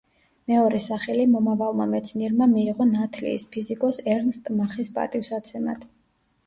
მეორე სახელი მომავალმა მეცნიერმა მიიღო ნათლიის, ფიზიკოს ერნსტ მახის პატივსაცემად.